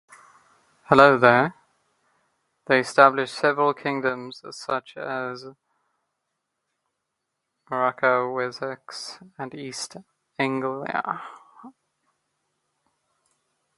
They established several kingdoms, such as Northumbria, Mercia, Wessex, and East Anglia.